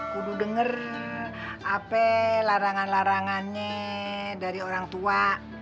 kudu denger ap larangan larangannya dari orang tua